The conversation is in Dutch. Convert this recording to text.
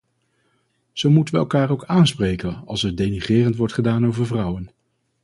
Zo moeten we elkaar ook aanspreken als er denigrerend wordt gedaan over vrouwen.